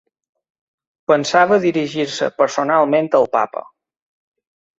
pensava dirigir-se personalment al papa.